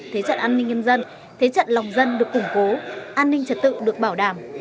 thế trận an ninh nhân dân thế trận lòng dân được củng cố an ninh trật tự được bảo đảm